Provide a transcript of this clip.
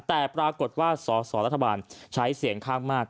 แต่ปรากฏว่าสอสอรัฐบาลใช้เสียงข้างมาก